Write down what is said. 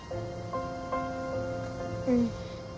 うん